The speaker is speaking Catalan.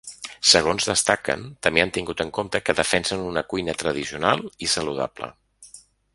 Segons destaquen, també han tingut en compte que defensen una cuina tradicional i saludable.